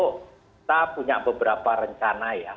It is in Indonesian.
kita punya beberapa rencana ya